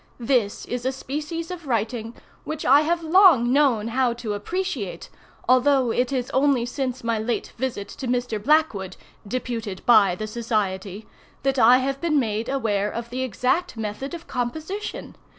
This is a species of writing which I have long known how to appreciate, although it is only since my late visit to Mr. Blackwood (deputed by the society) that I have been made aware of the exact method of composition.